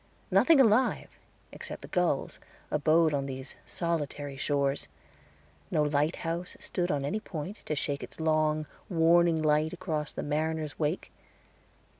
Nothing alive, except the gulls, abode on these solitary shores. No lighthouse stood on any point, to shake its long, warning light across the mariners' wake.